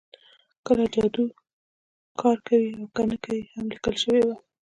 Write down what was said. کله جادو کار کوي او کله نه کوي هم لیکل شوي وو